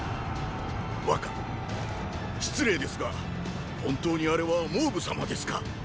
若失礼ですが本当にあれは蒙武様ですか？